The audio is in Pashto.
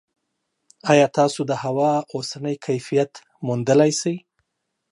ایا تاسو د هوا اوسنی کیفیت موندلی شئ؟